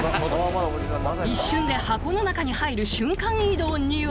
一瞬で箱の中に入る瞬間移動には。